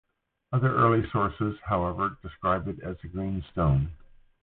Other early sources, however, describe it as a green stone.